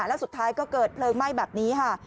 แล้วสุดท้ายก็เกิดเพลิงไหม้แบบนี้ค่ะ